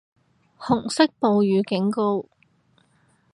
紅色暴雨警告